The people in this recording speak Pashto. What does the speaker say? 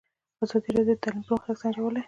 ازادي راډیو د تعلیم پرمختګ سنجولی.